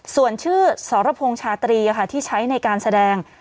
ส่วนชื่อสรพงษ์ชาตรีที่ใช้ในการแสดง